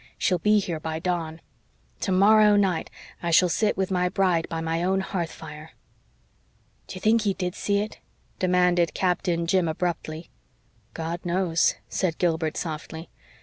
She will be here by dawn. Tomorrow night I shall sit with my bride by my own hearth fire.' "Do you think he did see it?" demanded Captain Jim abruptly. "God knows," said Gilbert softly.